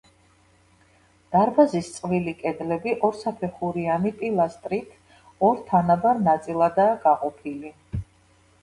დარბაზის წყვილი კედლები ორსაფეხურიანი პილასტრით ორ თანაბარ ნაწილადაა გაყოფილი.